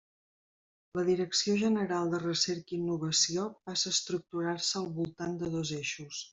La Direcció General de Recerca i Innovació passa a estructurar-se al voltant de dos eixos.